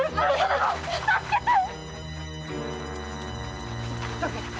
助けてっ！